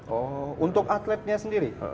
oh untuk atletnya sendiri